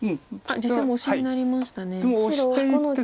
実戦もオシになりましたね。